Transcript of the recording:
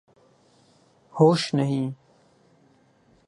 ہوش نہیں